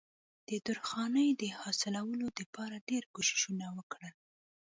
د درخانۍ د حاصلولو د پاره ډېر کوششونه وکړل